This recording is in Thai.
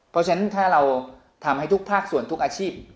เพราะฉะนั้นถ้าเราทำให้ทุกภาคส่วนทุกอาชีพ